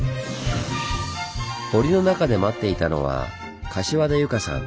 堀の中で待っていたのは柏田有香さん。